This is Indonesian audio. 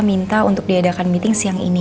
minta untuk diadakan meeting siang ini